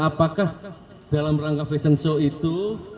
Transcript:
apakah dalam rangka fashion show itu